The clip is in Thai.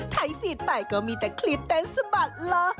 ไทยฟีดไปก็มีแต่คลิปเต้นสะบัดล้อ